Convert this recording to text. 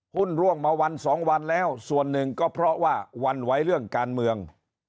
ร่วงมาวันสองวันแล้วส่วนหนึ่งก็เพราะว่าหวั่นไหวเรื่องการเมือง